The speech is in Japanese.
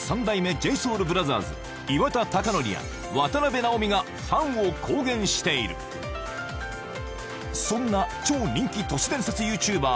ＪＳＯＵＬＢＲＯＴＨＥＲＳ岩田剛典や渡辺直美がファンを公言しているそんな超人気都市伝説ＹｏｕＴｕｂｅｒ